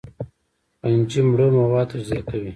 فنجي مړه مواد تجزیه کوي